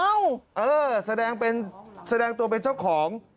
เออแสดงเป็นแสดงตัวเป็นเจ้าของ